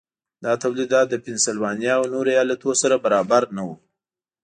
دا تولیدات د پنسلوانیا او نورو ایالتونو سره برابر نه وو.